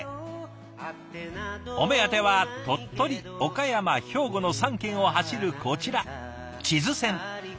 お目当ては鳥取岡山兵庫の３県を走るこちら智頭線。